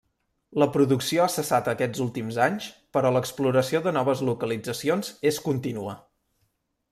La producció ha cessat aquests últims anys però l'exploració de noves localitzacions és contínua.